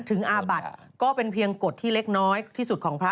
อาบัติก็เป็นเพียงกฎที่เล็กน้อยที่สุดของพระ